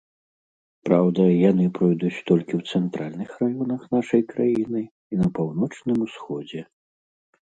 Праўда, яны пройдуць толькі ў цэнтральных раёнах нашай краіны і на паўночным усходзе.